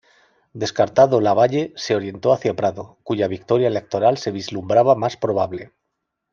Descartado Lavalle, se orientó hacia Prado, cuya victoria electoral se vislumbraba más probable.